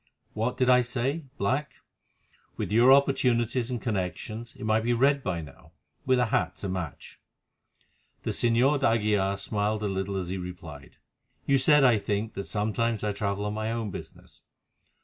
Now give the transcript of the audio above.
What did I say—black? With your opportunities and connections it might be red by now, with a hat to match." The Señor d'Aguilar smiled a little as he replied. "You said, I think, that sometimes I travel on my own business.